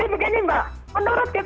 apakah itu mitos atau faktor